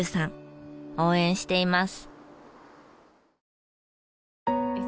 応援しています。